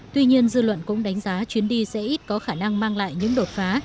tuy nhiên dư luận cũng đánh giá chuyến đi sẽ ít có khả năng mang lại những đột phá